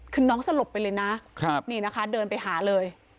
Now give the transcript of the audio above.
คือน้องสลบไปเลยนะนี่นะคะเดินไปหาเลย